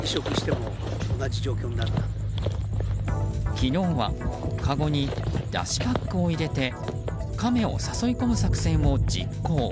昨日は、かごにだしパックを入れてカメを誘い込む作戦を実行。